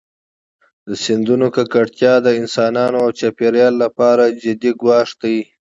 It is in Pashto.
د سیندونو ککړتیا د انسانانو او چاپېریال لپاره جدي ګواښ دی.